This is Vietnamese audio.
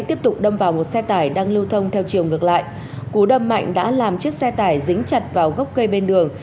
tiếp tục đâm vào một xe tải đang lưu thông theo chiều ngược lại cú đâm mạnh đã làm chiếc xe tải dính chặt vào gốc cây bên đường